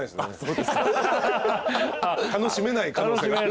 楽しめない可能性。